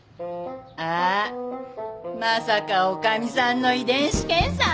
あっまさか女将さんの遺伝子検査？